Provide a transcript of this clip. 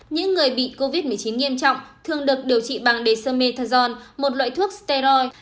những người bị covid một mươi chín nghiêm trọng thường được điều trị bằng dexamethasone một loại thuốc steroid